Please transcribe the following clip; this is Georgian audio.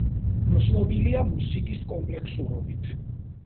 ცნობილია მუსიკის კომპლექსურობით.